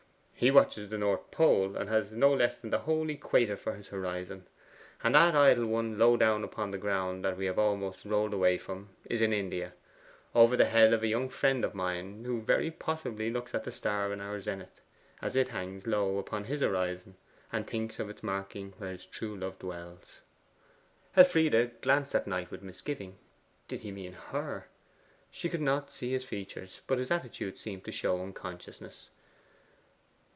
'He watches the North Pole, and has no less than the whole equator for his horizon. And that idle one low down upon the ground, that we have almost rolled away from, is in India over the head of a young friend of mine, who very possibly looks at the star in our zenith, as it hangs low upon his horizon, and thinks of it as marking where his true love dwells.' Elfride glanced at Knight with misgiving. Did he mean her? She could not see his features; but his attitude seemed to show unconsciousness.